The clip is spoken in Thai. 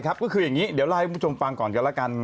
ก็คืออย่างนี้เดี๋ยวเล่าให้คุณผู้ชมฟังก่อนกันแล้วกัน